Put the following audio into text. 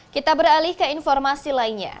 kita beralih ke informasi lainnya